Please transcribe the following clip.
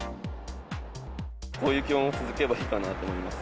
こういう気温が続けばいいかなと思います。